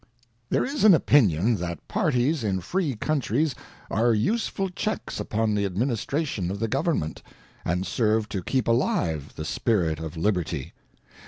There is an opinion that parties in free countries are useful checks upon the Admin istration of the Government, and serve to keep alive the Spirit of Liberty.